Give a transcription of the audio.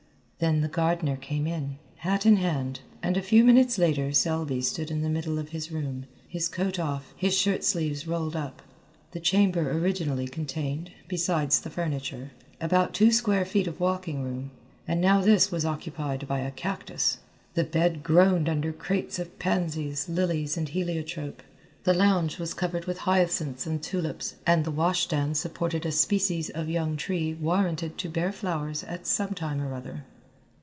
Then the gardener came in, hat in hand, and a few minutes later Selby stood in the middle of his room, his coat off, his shirt sleeves rolled up. The chamber originally contained, besides the furniture, about two square feet of walking room, and now this was occupied by a cactus. The bed groaned under crates of pansies, lilies and heliotrope, the lounge was covered with hyacinths and tulips, and the washstand supported a species of young tree warranted to bear flowers at some time or other.